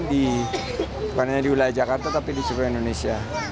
di padahal di wilayah jakarta tapi di seluruh indonesia